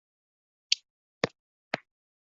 请我去百元商店买